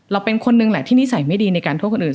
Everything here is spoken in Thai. เราเป็นคนนึงแหละที่นิสัยไม่ดีในการโทษคนอื่น